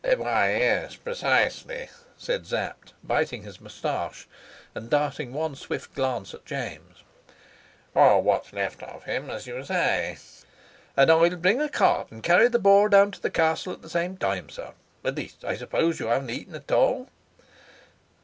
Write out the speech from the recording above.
"Why, yes, precisely," said Sapt, biting his moustache and darting one swift glance at James. "Or what's left of him, as you say." "And I'll bring a cart and carry the boar down to the castle at the same time, sir. At least, I suppose you haven't eaten it all?"